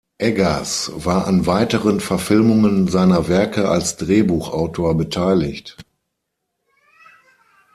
Eggers war an weiteren Verfilmungen seiner Werke als Drehbuchautor beteiligt.